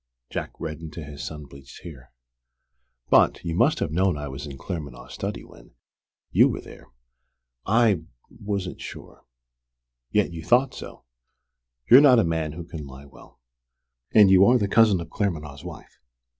Jack reddened to his sun bleached hair. "But you must have known I was in Claremanagh's study when you were there." "I wasn't sure." "Yet you thought so! You're not a man who can lie well. And you are the cousin of Claremanagh's wife.